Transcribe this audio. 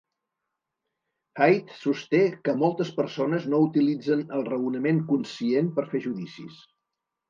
Haidt sosté que moltes persones no utilitzen el raonament conscient per fer judicis.